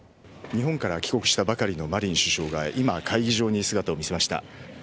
日本から帰国したばかりのマリン首相が今、会議場に姿を見せました。